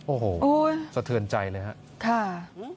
โอ้โฮสะเทือนใจเลยครับค่ะอืม